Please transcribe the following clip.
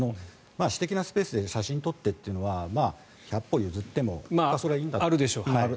私的なスペースで写真を撮ってというのは百歩譲ってもそれは。